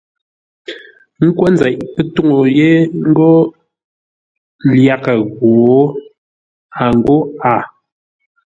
A kwo ńkə́u nzeʼ pə́ tuŋu yé ngô lyaghʼə ghǒ ? a ghó a.